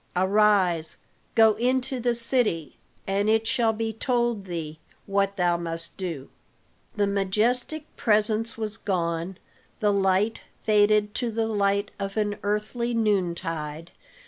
"Arise, go into the city, and it shall be told thee what thou must do." The majestic presence was gone; the light faded to the light of an earthly noontide.